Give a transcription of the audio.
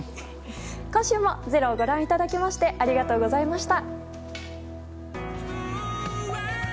今週も「ｚｅｒｏ」をご覧いただきましてありがとうございました。